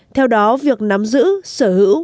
theo đó việc nắm giữ sở hữu